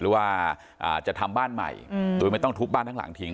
หรือว่าจะทำบ้านใหม่โดยไม่ต้องทุบบ้านทั้งหลังทิ้ง